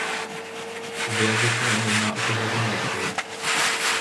Wer wird hier an der Nase herumgeführt?